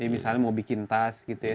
misalnya mau bikin tas gitu ya